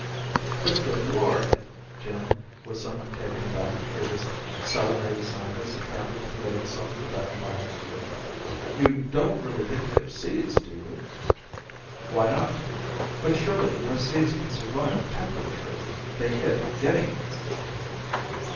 "But good Lord!" Jim was somewhat taken aback to hear this celebrated scientist apparently commit himself to that wild view. "You don't really think they're seeds, do you?" "Why not?" "But surely no seeds could survive the temperature they hit getting here."